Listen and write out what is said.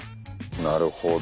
なるほど！